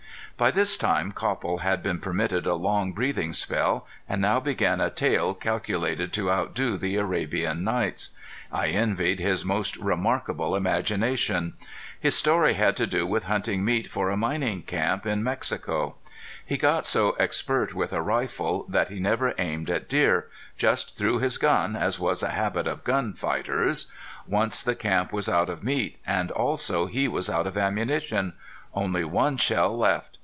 By this time Copple had been permitted a long breathing spell, and now began a tale calculated to outdo the Arabian Nights. I envied his most remarkable imagination. His story had to do with hunting meat for a mining camp in Mexico. He got so expert with a rifle that he never aimed at deer. Just threw his gun, as was a habit of gun fighters! Once the camp was out of meat, and also he was out of ammunition. Only one shell left!